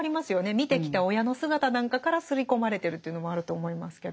見てきた親の姿なんかから刷り込まれてるというのもあると思いますけど。